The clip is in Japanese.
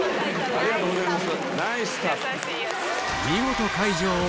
ありがとうございます。